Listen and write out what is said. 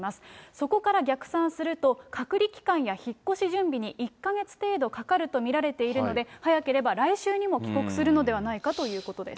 そこから逆算すると、隔離期間や引っ越し準備に１か月程度かかると見られているので、早ければ来週にも帰国するのではないかということです。